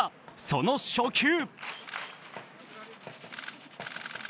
その初球。